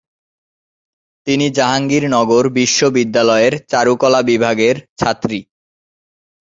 তিনি জাহাঙ্গীরনগর বিশ্ববিদ্যালয়ের চারুকলা বিভাগের ছাত্রী।